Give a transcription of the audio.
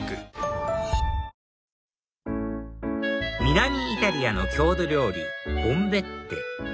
南イタリアの郷土料理ボンベッテ